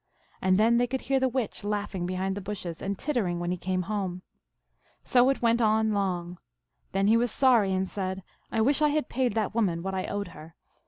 And then they could hear the witch laughing behind the bushes, and tittering when he came home. So it went on long. Then he was sorry, and said, 4 1 wish I had paid that woman what I owed her.